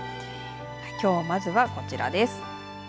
きょう、まずはこちらです。